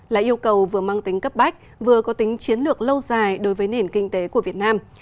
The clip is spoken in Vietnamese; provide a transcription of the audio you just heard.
là yêu cầu vừa mang tính cấp bách vừa có tính chiến lược lâu dài đối với nền kinh tế của việt nam